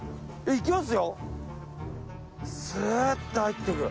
いきます。